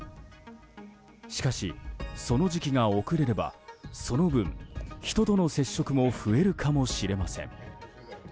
しかし、その時期が遅れればその分、人との接触も増えるかもしれません。